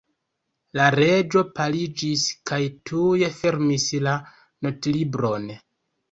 La Reĝo paliĝis kaj tuj fermis la notlibron.